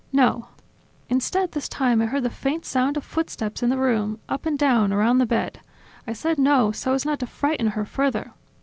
"No." Instead this time I heard the faint sound of footsteps in the room, up and down, around the bed; I said no so as not to frighten her further.